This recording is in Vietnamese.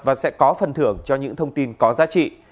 và sẽ có phần thưởng cho những thông tin có giá trị